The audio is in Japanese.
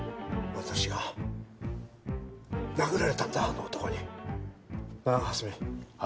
私が殴られたんだあの男に。なあ？